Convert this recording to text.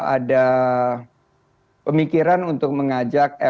ada pemikiran untuk mengajak f satu formula satu